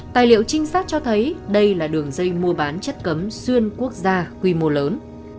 tài liệu trinh sát cho thấy đây là đường dây mua bán chất cấm xuyên quốc gia quy mô lớn